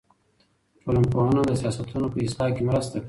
ټولنپوهنه د سیاستونو په اصلاح کې مرسته کوي.